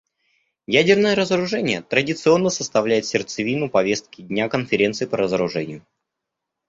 Ядерное разоружение традиционно составляет сердцевину повестки дня Конференции по разоружению.